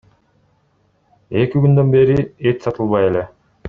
Эки күндөн бери эт сатылбай эле.